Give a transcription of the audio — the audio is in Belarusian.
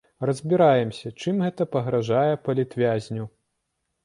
Разбіраемся, чым гэта пагражае палітвязню.